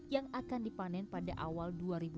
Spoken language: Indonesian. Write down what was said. yang akan dipanen pada awal dua ribu dua puluh